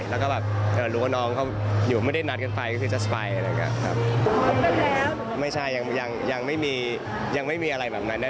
แล้วก็แบบรู้ว่าน้องเขาอยู่ไม่ได้นัดกันไป